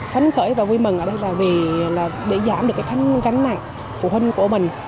phấn khởi và vui mừng ở đây là để giảm được cái thân gánh nặng phụ huynh của mình